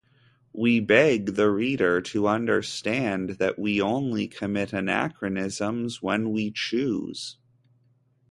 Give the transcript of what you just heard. We beg the reader to understand that we only commit anachronisms when we choose.